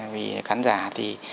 vì khán giả thì